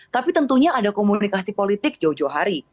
tapi tentunya ada komunikasi politik jauh jauh hari